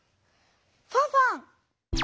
ファンファン！